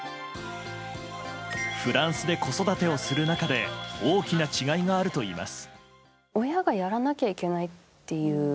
フランスで子育てをする中で大きな違いがあるといいます。